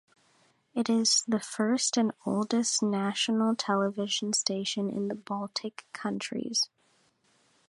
It is the first and oldest national television station in the Baltic countries.